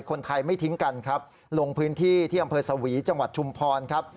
คนไทยไม่ทิ้งกันครับลงพื้นที่ที่อำเภอสวีจังหวัดชุมพรครับ